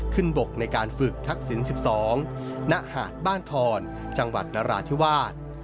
บกในการฝึกทักษิณ๑๒ณหาดบ้านทอนจังหวัดนราธิวาส